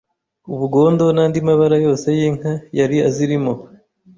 ubugondo n’andi mabara yose y’inka yari azirimo.